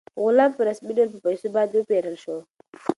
غلام په رسمي ډول په پیسو باندې وپېرل شو.